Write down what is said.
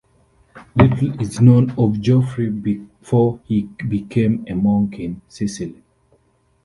Little is known of Geoffrey before he became a monk in Sicily.